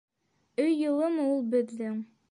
- Өй йылымы ул беҙҙең?